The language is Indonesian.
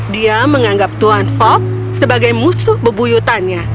dia menganggap tuan fok sebagai musuh bebuyutannya